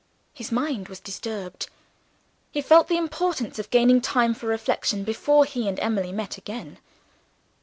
His mind was disturbed: he felt the importance of gaining time for reflection before he and Emily met again.